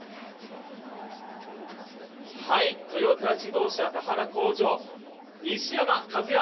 トヨタ自動車田原工場、西山和弥